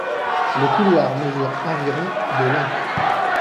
Le couloir mesure environ de long.